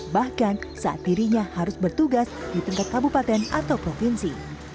bahkan saat dirinya harus bertugas di tingkat kabupaten atau provinsi